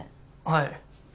はい。